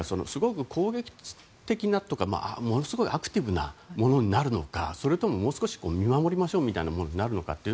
すごく攻撃的なというかものすごいアクティブなものになるのかもう少し見守りましょうということになるのか。